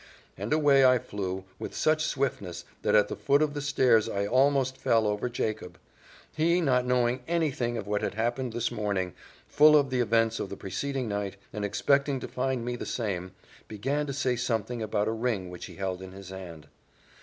And away I flew, with such swiftness, that at the foot of the stairs I almost fell over Jacob. He, not knowing any thing of what had happened this morning, full of the events of the preceding night, and expecting to find me the same, began to say something about a ring which he held in his hand.